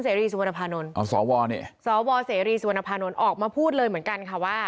รีสุวรรณภานนท์อ๋อสวนี่สวเสรีสุวรรณภานนท์ออกมาพูดเลยเหมือนกันค่ะว่า